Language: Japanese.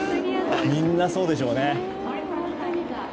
みんな、そうでしょうね。